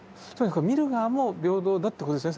見る側も平等だってことですね。